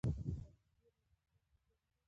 غوښتنې سمدستي اغېزه وکړه.